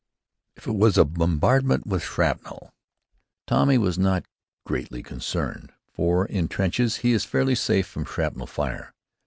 If it was a bombardment with shrapnel, Tommy was not greatly concerned, for in trenches he is fairly safe from shrapnel fire.